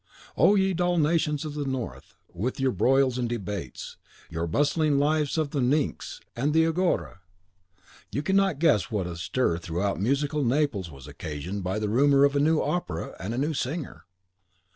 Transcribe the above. O ye dull nations of the North, with your broils and debates, your bustling lives of the Pnyx and the Agora! you cannot guess what a stir throughout musical Naples was occasioned by the rumour of a new opera and a new singer.